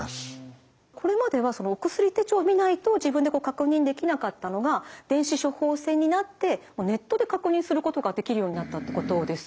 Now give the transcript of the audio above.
これまではお薬手帳を見ないと自分で確認できなかったのが電子処方箋になってネットで確認することができるようになったってことですよね。